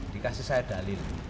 dikasih saya dalil